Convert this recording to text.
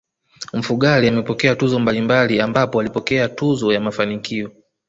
Mfugale amepokea tuzo mbalimbali ambapo alipokea tuzo ya mafanikio